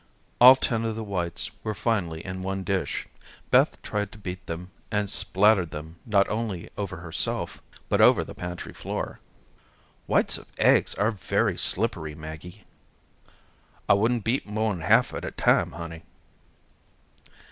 All ten of the whites were finally in one dish. Beth tried to beat them and spattered them not only over herself but over the pantry floor. "Whites of eggs are very slippery, Maggie." "I wouldn't beat more'n half at a time, honey."